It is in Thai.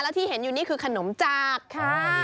ที่เห็นอยู่นี่คือขนมจากค่ะ